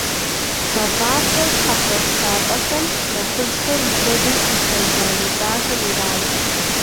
ГъэфӀапщӀэр - хьэщӀэ лъапӀэхэм, нэхъыжьхэм, джэгум къыхэжаныкӀахэм ират.